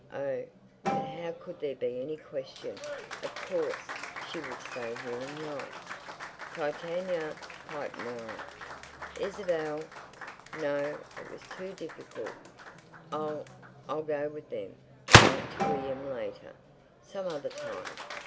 Oh, but how could there be any question? Of course she would stay here and write. "Titania!" piped Moira. "Isa bel?" No, it was too difficult. "I'll—I'll go with them, and write to William later. Some other time.